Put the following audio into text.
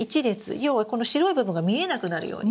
要はこの白い部分が見えなくなるように。